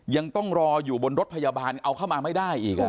ยังต้องรออยู่บนรถพยาบาลเอาเข้ามาไม่ได้อีก